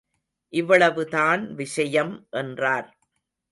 இவ்வளவுதான் விஷயம் என்றார்.